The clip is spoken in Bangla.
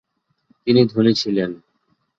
তিনি ধনী ছিলেন।